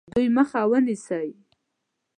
د دوی مخه ونیسي.